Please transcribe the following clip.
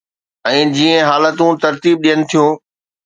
۽ جيئن حالتون ترتيب ڏين ٿيون.